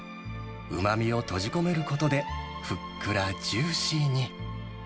うまみを閉じ込めることで、ふっくらジューシーに。